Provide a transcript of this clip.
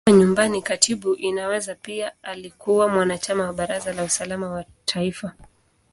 Kama Nyumbani Katibu, Inaweza pia alikuwa mwanachama wa Baraza la Usalama wa Taifa.